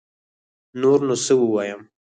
نور نو سه ووايم